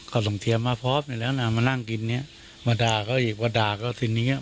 เขาส่งเทียมมาพร้อมอยู่แล้วนะมานั่งกินเนี้ยมาด่าเขาอีกมาด่าก็ทีนี้